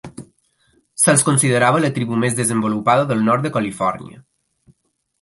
Se’ls considerava la tribu més desenvolupada del Nord de Califòrnia.